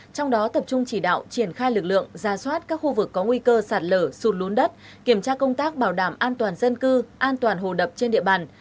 trong đó tập trung chỉ đạo triển khai lực lượng ra soát các khu vực có nguy cơ sạt lở sụt lún đất kiểm tra công tác bảo đảm an toàn dân cư an toàn hồ đập trên địa bàn